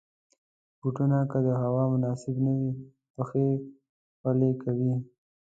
بوټونه که د هوا مناسب نه وي، پښې خولې کوي.